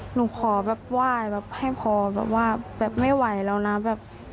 หนูขอแบบว่ายแบบให้พอแบบว่าไม่ไหวแล้วนะ